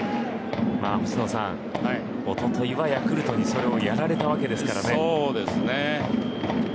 星野さん、おとといはヤクルトにそれをやられたわけですからね。